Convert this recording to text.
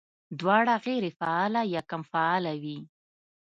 دواړه غېر فعاله يا کم فعاله وي